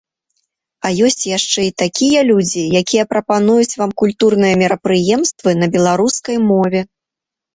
А ёсць яшчэ і такія людзі, якія прапануюць вам культурныя мерапрыемствы на беларускай мове.